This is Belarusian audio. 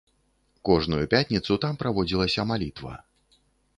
Кожную пятніцу там праводзілася малітва.